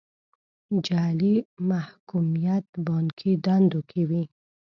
جعلي محکوميت بانکي دندو کې وي.